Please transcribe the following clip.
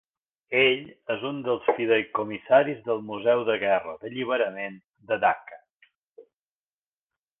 Ell és un dels fideïcomissaris del Museu de Guerra d'Alliberament de Dacca.